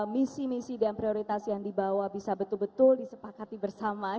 misi misi dan prioritas yang dibawa bisa betul betul disepakati bersama